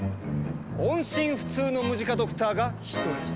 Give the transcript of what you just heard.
音信不通のムジカドクターが１人。